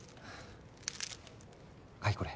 はいこれ。